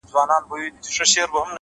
• څوک وایي گران دی؛ څوک وای آسان دی؛